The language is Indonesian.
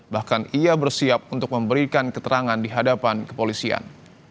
bahkan ia bersiap untuk memberikan keterangan di hadapan kepolisian